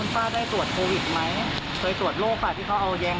ไปกินข้าวบ้างหรือยัง